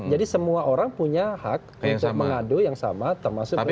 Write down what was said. jadi semua orang punya hak untuk mengadu yang sama termasuk presiden